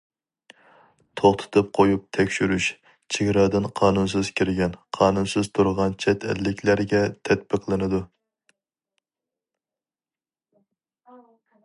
توختىتىپ قويۇپ تەكشۈرۈش: چېگرادىن قانۇنسىز كىرگەن، قانۇنسىز تۇرغان چەت ئەللىكلەرگە تەتبىقلىنىدۇ.